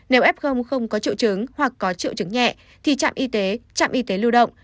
nếu f không có triệu chứng hoặc có triệu chứng nhẹ thì trạm y tế trạm y tế lưu động